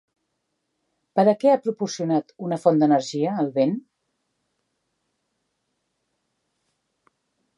Per a què ha proporcionat una font d'energia el vent?